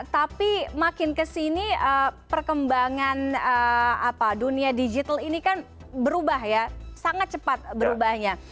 tapi makin kesini perkembangan dunia digital ini kan berubah ya sangat cepat berubahnya